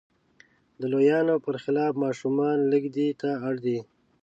د لویانو پر خلاف ماشومان لږ دې ته اړ دي.